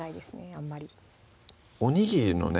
あんまりおにぎりのね